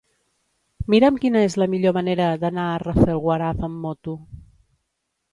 Mira'm quina és la millor manera d'anar a Rafelguaraf amb moto.